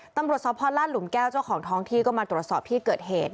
ตำรวจสพลาดหลุมแก้วเจ้าของท้องที่ก็มาตรวจสอบที่เกิดเหตุ